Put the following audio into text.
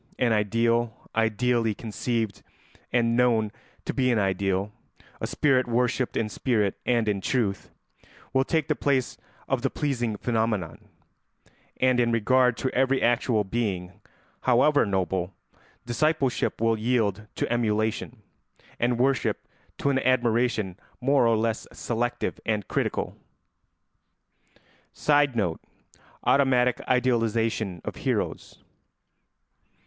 An ideal, ideally conceived and known to be an ideal, a spirit worshipped in spirit and in truth, will take the place of the pleasing phenomenon; and in regard to every actual being, however noble, discipleship will yield to emulation, and worship to an admiration more or less selective and critical. [Sidenote: Automatic idealisation of heroes.